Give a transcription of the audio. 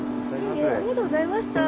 いえいえありがとうございました。